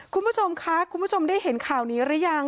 คุณผู้ชมคะคุณผู้ชมได้เห็นข่าวนี้หรือยัง